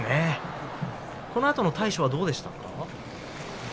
そのあとの対処はどうでしたか？